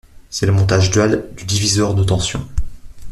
C'est le montage dual du diviseur de tension.